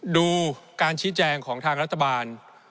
ดูการชี้แจงของทางรัฐบาล